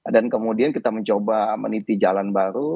dan kemudian kita mencoba meniti jalan baru